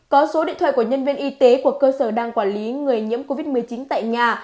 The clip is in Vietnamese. có số điện thoại của nhân viên y tế của cơ sở đang quản lý người nhiễm covid một mươi chín tại nhà